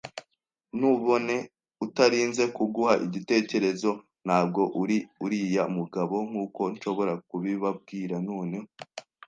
ntubone. Utarinze kuguha igitekerezo, ntabwo uri uriya mugabo, nkuko nshobora kubibabwira. Noneho,